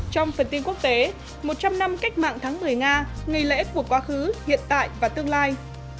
trong phần tin quốc tế một trăm linh năm cách mạng tháng một mươi nga ngày lễ của quá khứ hiện tại và tương lai